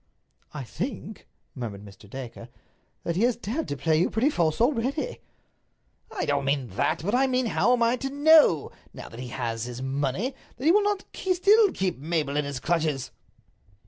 "I think," murmured Mr. Dacre, "that he has dared to play you pretty false already." "I don't mean that. But I mean how am I to know, now that he has his money, that he will still not keep Mabel in his clutches?"